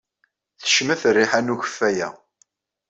Tecmet rriḥa n ukeffay-a.